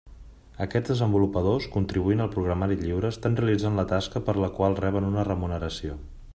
Aquests desenvolupadors, contribuint al programari lliure, estan realitzant la tasca per la qual reben una remuneració.